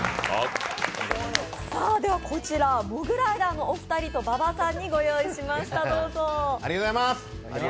こちら、モグライダーのお二人と馬場さんにご用意しました。